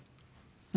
何？